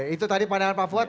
itu tadi pandangan pak fuad